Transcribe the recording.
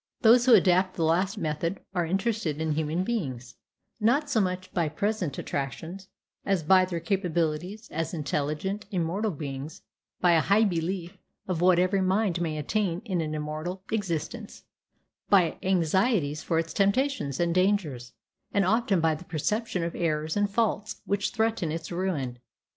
Those who adopt the last method are interested in human beings, not so much by present attractions as by their capabilities as intelligent, immortal beings; by a high belief of what every mind may attain in an immortal existence; by anxieties for its temptations and dangers, and often by the perception of errors and faults which threaten its ruin.